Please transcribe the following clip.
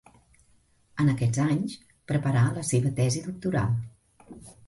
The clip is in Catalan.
En aquests anys preparà la seva tesi doctoral.